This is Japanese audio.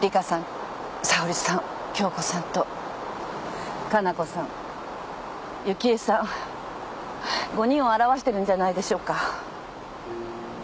沙織さん杏子さんと加奈子さん雪枝さん５人を表してるんじゃないでしょうか。